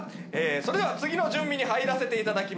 それでは次の準備に入らせていただきます。